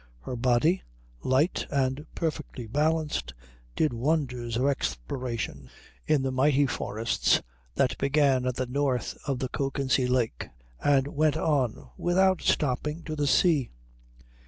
Her body, light and perfectly balanced, did wonders of exploration in the mighty forests that began at the north of the Kökensee lake and went on without stopping to the sea.